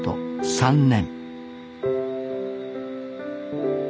３年